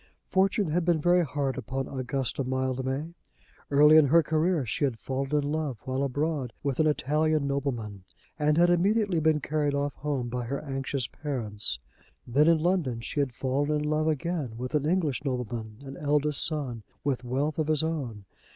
Fortune had been very hard upon Augusta Mildmay. Early in her career she had fallen in love, while abroad, with an Italian nobleman, and had immediately been carried off home by her anxious parents. Then in London she had fallen in love again with an English nobleman, an eldest son, with wealth of his own.